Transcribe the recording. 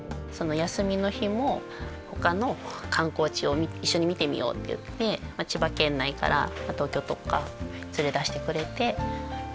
休みの日もほかの観光地を一緒に見てみようって言って千葉県内から東京とか連れ出してくれて。